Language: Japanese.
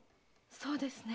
そうですね。